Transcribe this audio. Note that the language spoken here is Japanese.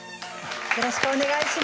よろしくお願いします。